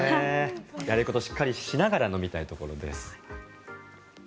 やれることをしっかりしながら飲みたいところです。